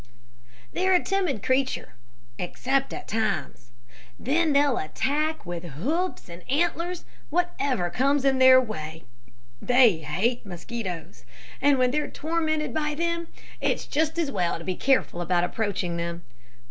"They're a timid creature except at times. Then they'll attack with hoofs and antlers whatever comes in their way. They hate mosquitoes, and when they're tormented by them it's just as well to be careful about approaching them.